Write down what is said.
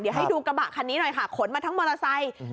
เดี๋ยวให้ดูกระบะคันนี้หน่อยค่ะขนมาทั้งมอเตอร์ไซค์